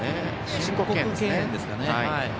申告敬遠ですかね。